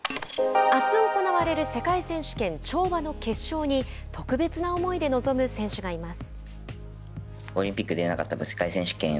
あす行われる世界選手権跳馬の決勝特別な思いで臨む選手がいます。